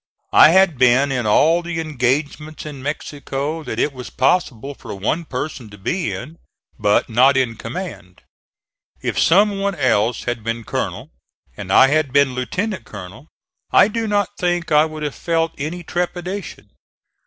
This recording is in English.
I had been in all the engagements in Mexico that it was possible for one person to be in; but not in command. If some one else had been colonel and I had been lieutenant colonel I do not think I would have felt any trepidation.